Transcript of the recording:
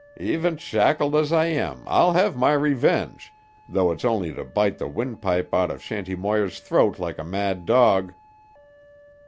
E'en shackled as I am I'll have my revenge, though it's only to bite the windpipe out of Shanty Moir's throat like a mad dog."